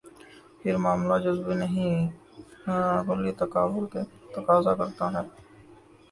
پھر معاملہ جزوی نہیں، کلی تقابل کا تقاضا کرتا ہے۔